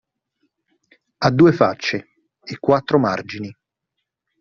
Ha due facce e quattro margini.